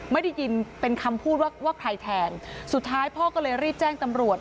ไม่ได้ยินเป็นคำพูดว่าว่าใครแทงสุดท้ายพ่อก็เลยรีบแจ้งตำรวจ